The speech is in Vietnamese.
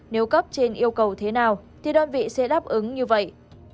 nếu cấp trên yêu cầu thế nào thì đơn vị sẽ đáp ứng như vậy